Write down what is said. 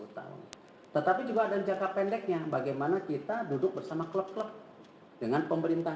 sepuluh tahun tetapi juga ada jangka pendeknya bagaimana kita duduk bersama klub klub dengan pemerintah